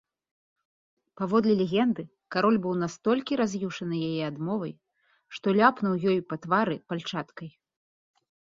Паводле легенды, кароль быў настолькі раз'юшаны яе адмовай, што ляпнуў ёй па твары пальчаткай.